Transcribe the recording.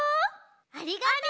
ありがとう！